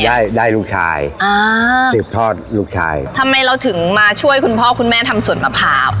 ได้ได้ลูกชายอ่าสืบทอดลูกชายทำไมเราถึงมาช่วยคุณพ่อคุณแม่ทำสวนมะพร้าว